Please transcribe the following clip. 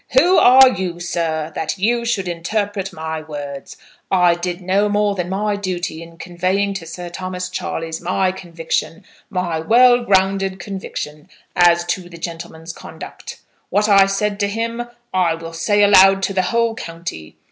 "Who are you, sir, that you should interpret my words? I did no more than my duty in conveying to Sir Thomas Charleys my conviction, my well grounded conviction, as to the gentleman's conduct. What I said to him I will say aloud to the whole county.